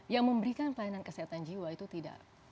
yang memberikan pelayanan kesehatan jiwa itu tidak